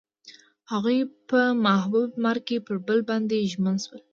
هغوی په محبوب لمر کې پر بل باندې ژمن شول.